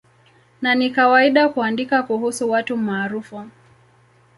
Na ni kawaida kuandika kuhusu watu maarufu.